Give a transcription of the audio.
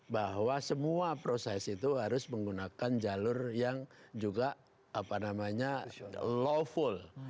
bahwa semua proses itu harus menggunakan jalur yang juga lawful